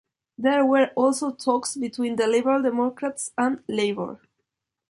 There were also talks between the Liberal Democrats and Labour.